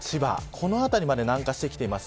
この辺りまで南下してきています。